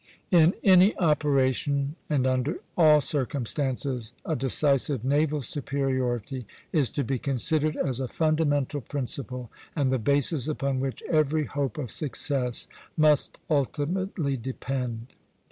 _In any operation, and under all circumstances, a decisive naval superiority is to be considered as a fundamental principle, and the basis upon which every hope of success must ultimately depend.